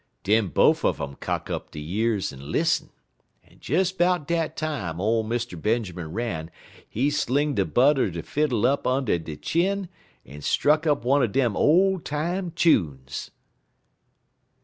"Den bofe un um cock up der years en lissen, en des 'bout dat time ole Mr. Benjermun Ram he sling de butt er de fiddle up und' he chin, en struck up one er dem ole time chunes."